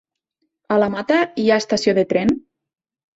A la Mata hi ha estació de tren?